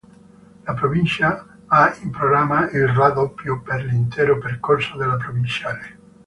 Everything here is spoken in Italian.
La provincia ha in programma il raddoppio per l'intero percorso della provinciale.